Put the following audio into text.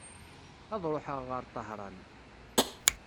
Ad ruḥeɣ ɣer Tahran.